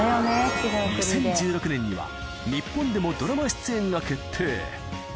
２０１６年には、日本でもドラマ出演が決定。